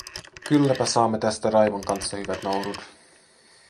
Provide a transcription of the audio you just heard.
Kylläpä saamme tästä Raivon kanssa hyvät naurut.